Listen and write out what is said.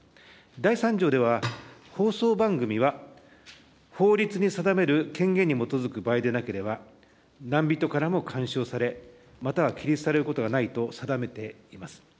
第３条では、放送番組は、法律に定める権限に基づく場合でなければ、何人からも干渉され、または規律されることはないと定めています。